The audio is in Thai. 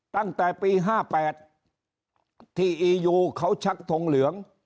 ตั้งแต่ปี๕๘ที่อียูเขาชักทงเหลือง